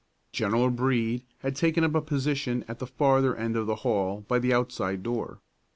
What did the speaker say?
General Brede had taken up a position at the farther end of the hall by the outside door.